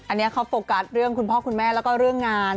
อันนี้เขาโฟกัสเรื่องคุณพ่อคุณแม่แล้วก็เรื่องงาน